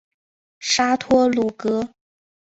沙托鲁格。